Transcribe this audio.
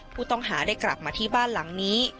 ผู้ต้องหาได้กลับมาที่บ้านหลังนี้